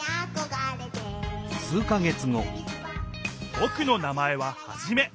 ぼくの名前はハジメ。